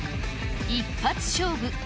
一発勝負。